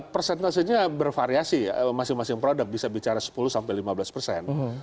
persentasenya bervariasi ya masing masing produk bisa bicara sepuluh sampai lima belas persen